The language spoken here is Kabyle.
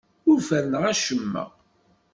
Ur ferrneɣ acemma.